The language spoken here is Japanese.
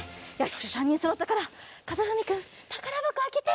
じゃあ３にんそろったからかずふみくんたからばこあけて。